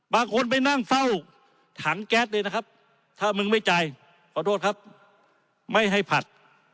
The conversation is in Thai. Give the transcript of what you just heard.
บางคนไปนั่งเฝ้าถังแก๊สเลยนะครับถ้ามึงไม่จ่ายขอโทษครับไม่ให้ผัด